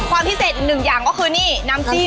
ความพิเศษอีกหนึ่งอย่างก็คือนี่น้ำจิ้ม